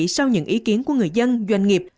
sau những ý kiến của người dân doanh nghiệp